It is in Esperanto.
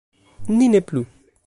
“Ni ne plu!”